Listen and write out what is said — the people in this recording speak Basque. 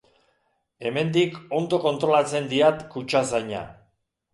Hemendik ondo kontrolatzen diat kutxazaina.